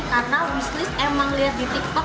karena wishlist emang lihat di tiktok